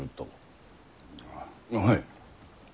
はい。